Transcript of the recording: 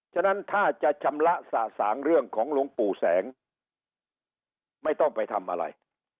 ฉะนั้นถ้าจะชำระสะสางเรื่องของหลวงปู่แสงไม่ต้องไปทำอะไร